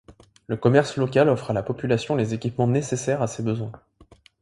Le commerce local offre à la population les équipements nécessaires à ses besoins.